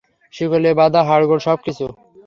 শিকলে বাঁধা হাড়গোড়, সবকিছু।